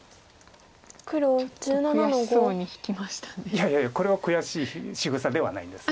いやいやこれは悔しいしぐさではないんです。